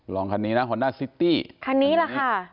ลองคันนี้นะฮอร์น่าซิตตี้คันนี้แหละค่ะ